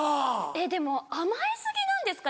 えっでも甘え過ぎなんですかね？